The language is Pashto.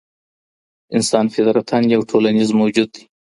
انسان فطرتاً یو ټولنیز موجود دی.